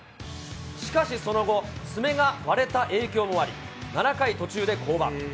しかしその後、爪が割れた影響もあり、７回途中で降板。